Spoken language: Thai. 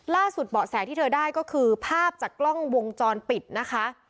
เบาะแสที่เธอได้ก็คือภาพจากกล้องวงจรปิดนะคะ